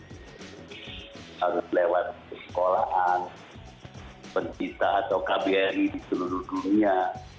harus lewat sekolahan pencinta atau kbri di seluruh dunia